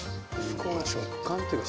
食感っていうか